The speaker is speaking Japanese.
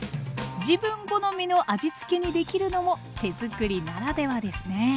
自分好みの味付けにできるのも手づくりならではですね。